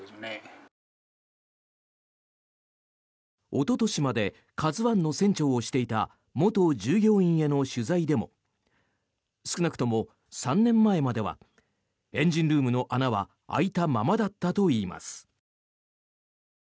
おととしまで「ＫＡＺＵ１」の船長をしていた元従業員への取材でも少なくとも３年前まではエンジンルームの穴は開いたままだったといいます。